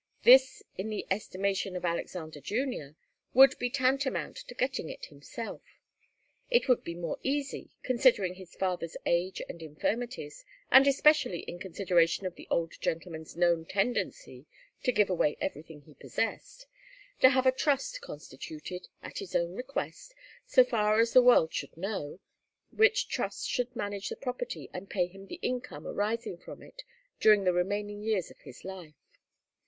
This, in the estimation of Alexander Junior, would be tantamount to getting it himself. It would be more easy, considering his father's age and infirmities, and especially in consideration of the old gentleman's known tendency to give away everything he possessed, to have a trust constituted, at his own request, so far as the world should know, which trust should manage the property and pay him the income arising from it during the remaining years of his life.